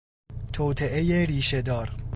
توطئهی ریشهدار